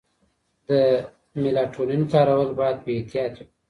د میلاټونین کارول باید په احتیاط وي.